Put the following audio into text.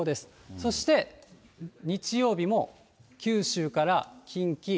そして、日曜日も九州から近畿。